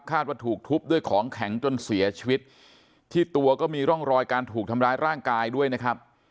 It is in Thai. ว่าถูกทุบด้วยของแข็งจนเสียชีวิตที่ตัวก็มีร่องรอยการถูกทำร้ายร่างกายด้วยนะครับ